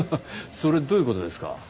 それどういう事ですか？